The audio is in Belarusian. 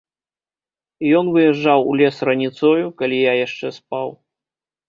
Ён выязджаў у лес раніцою, калі я яшчэ спаў.